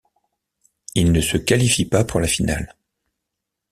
Il ne se qualifie pas pour la finale.